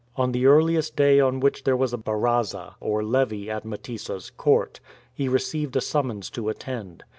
On the earliest day on which there was a haraza or levee at Mtesa's court, he received a summons to attend.